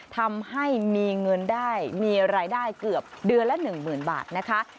ทำให้มีเงินได้มีรายได้เกือบเดือนละ๑๐๐๐บาทนะคะ